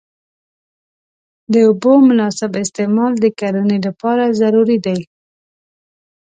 د اوبو مناسب استعمال د کرنې لپاره ضروري دی.